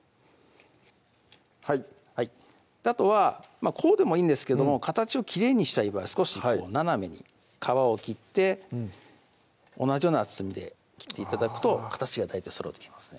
はいあとはこうでもいいんですけども形をきれいにしたい場合少し斜めに皮を切って同じような厚みで切って頂くと形が大体そろってきますね